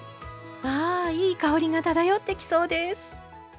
あいい香りが漂ってきそうです！